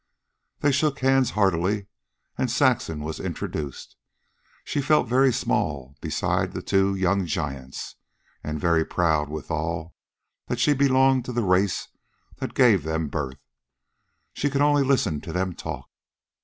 They shook hands heartily, and Saxon was introduced. She felt very small beside the two young giants, and very proud, withal, that she belonged to the race that gave them birth. She could only listen to them talk.